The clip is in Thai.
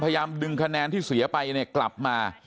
พยายามดึงคะแนนที่เสียไปเนี่ยกลับมา